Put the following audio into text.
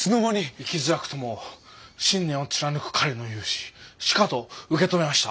生きづらくとも信念を貫く彼の雄姿しかと受け止めました。